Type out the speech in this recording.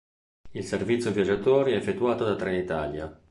Il servizio viaggiatori è effettuato da Trenitalia.